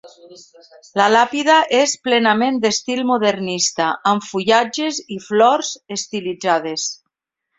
La làpida és plenament d'estil modernista amb fullatges i flors estilitzades.